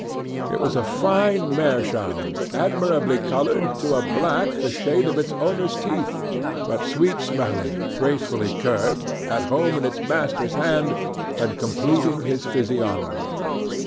It was a fine meerschaum, admirably colored to a black the shade of its owner's teeth, but sweet smelling, gracefully curved, at home in its master's hand, and completing his physiognomy.